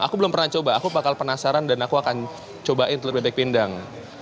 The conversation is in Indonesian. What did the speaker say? aku belum pernah coba aku bakal penasaran dan aku akan cobain telur bebek pindang